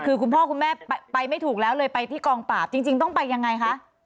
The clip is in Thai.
คือคุณพ่อคุณแม่ไปไม่ถูกแล้วเลยไปที่กองปราบจริงต้องไปยังไงคะ